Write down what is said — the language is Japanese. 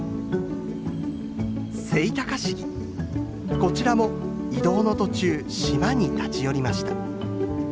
こちらも移動の途中島に立ち寄りました。